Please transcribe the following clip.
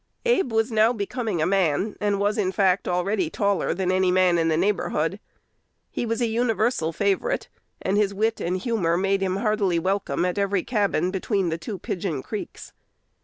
Abe was now becoming a man, and was, in fact, already taller than any man in the neighborhood. He was a universal favorite, and his wit and humor made him heartily welcome at every cabin between the two Pigeon Creeks.